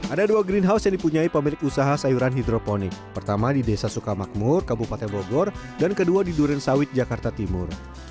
ada dua greenhouse yang dipunyai pemilik usaha sayuran hidroponik pertama di desa sukamakmur kabupaten bogor dan kedua di duren sawit jakarta timur